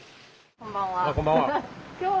こんばんは。